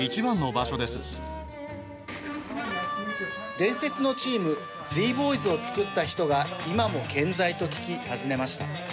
伝説のチームＺ−Ｂｏｙｓを作った人が今も健在と聞き、訪ねました。